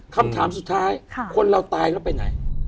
คำถามสุดท้ายคนเราตายแล้วไปไหน